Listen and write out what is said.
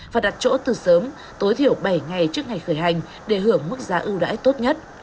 và đặt chỗ từ sớm tối thiểu bảy ngày trước ngày khởi hành để hưởng mức giá ưu đãi tốt nhất